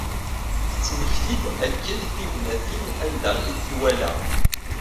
Tettmekti-d akken tignatin anda i t-wala.